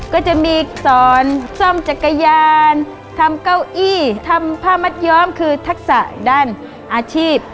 ก็จะมีสอนซ่อมจักรยานทำเก้าอี้ทำผ้ามัดย้อมคือทักษะด้านอาชีพ